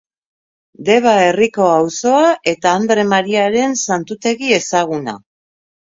Deba herriko auzoa eta Andre Mariaren santutegi ezaguna.